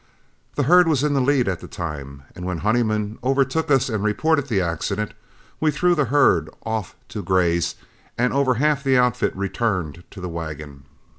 The herd was in the lead at the time, and when Honeyman overtook us and reported the accident, we threw the herd off to graze, and over half the outfit returned to the wagon.